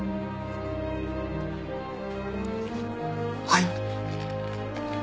はい。